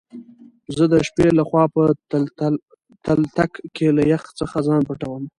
زه دشبی له خوا په تلتک کی له يخ ځخه ځان پټوم